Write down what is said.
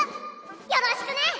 よろしくね。